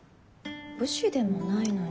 武士でもないのに。